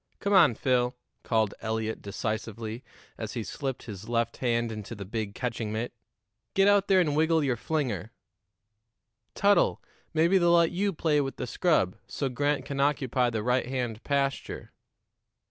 "Come on, Phil," called Eliot decisively, as he slipped his left hand into the big catching mitt, "get out there and wiggle your flinger. Tuttle, maybe they'll let you play with the scrub, so Grant can occupy the right hand pasture."